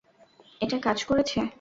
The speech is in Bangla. এটা কাজ করেছে!